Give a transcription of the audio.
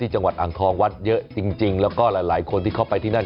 จังหวัดอ่างทองวัดเยอะจริงแล้วก็หลายคนที่เข้าไปที่นั่น